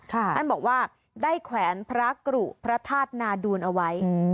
ท่านบอกว่าได้แขวนพระกรุพระธาตุนาดูลเอาไว้